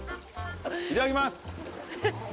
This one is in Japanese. いただきます